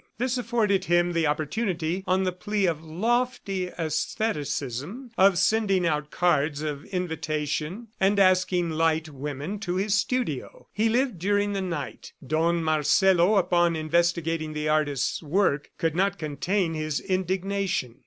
This afforded him the opportunity, on the plea of lofty aestheticism, of sending out cards of invitation and asking light women to his studio. He lived during the night. Don Marcelo, upon investigating the artist's work, could not contain his indignation.